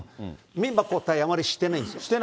メンバー交代、あまりしてないんですよ。